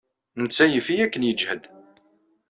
Netta yif-iyi akken yejhed.